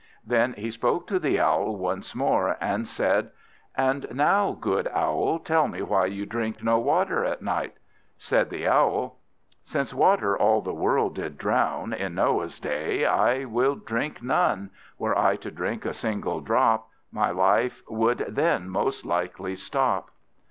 Then he spoke to the Owl once more, and said "And now, good Owl, tell me why you drink no water at night?" Said the Owl "Since water all the world did drown In Noah's day, I will drink none. Were I to drink a single drop, My life would then most likely stop."